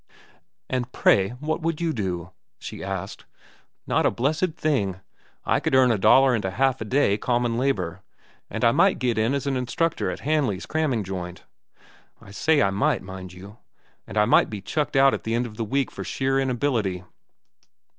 "And pray what would you do?" she asked. "Not a blessed thing. I could earn a dollar and a half a day, common labor, and I might get in as instructor in Hanley's cramming joint—I say might, mind you, and I might be chucked out at the end of the week for sheer inability."